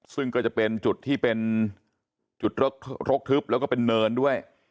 ซึ่งก็จะเป็นจุดที่เป็นจุดรกทึบแล้วก็เป็นเนินด้วย